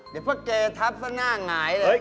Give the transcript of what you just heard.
เดี๋ยวพ่อเกย์ทัพสะหน้าหงายเลย